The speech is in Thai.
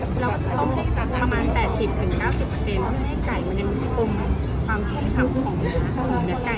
เพราะว่าถ้าเราต้มสุกเกินถึง๑๐๐เนี้ย